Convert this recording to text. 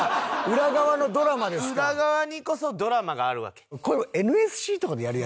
裏側にこそドラマがあるわけ。